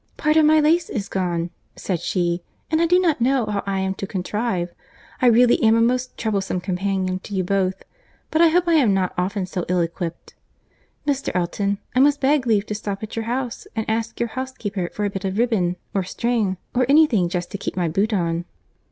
"Part of my lace is gone," said she, "and I do not know how I am to contrive. I really am a most troublesome companion to you both, but I hope I am not often so ill equipped. Mr. Elton, I must beg leave to stop at your house, and ask your housekeeper for a bit of ribband or string, or any thing just to keep my boot on."